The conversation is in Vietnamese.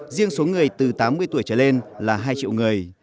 riêng số người từ tám mươi tuổi trở lên là hai triệu người